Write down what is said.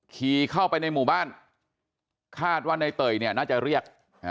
ขี่เข้าไปในหมู่บ้านคาดว่าในเตยเนี่ยน่าจะเรียก